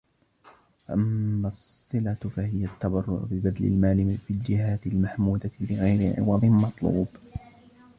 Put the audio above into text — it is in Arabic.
فَأَمَّا الصِّلَةُ فَهِيَ التَّبَرُّعُ بِبَذْلِ الْمَالِ فِي الْجِهَاتِ الْمَحْمُودَةِ لِغَيْرِ عِوَضٍ مَطْلُوبٍ